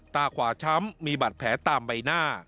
ตาขวาช้ำมีบาดแผลตามใบหน้า